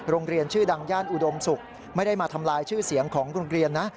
โรงเรียนชื่อดังย่านอุดมศุกร์ไม่ได้มาทำลายชื่อเสียงของโรงเรียนนะ